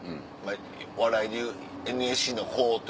お笑いでいうＮＳＣの子と。